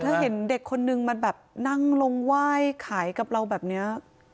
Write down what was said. แล้วเห็นเด็กคนนึงมาแบบนั่งลงไหว้ขายกับเราแบบนี้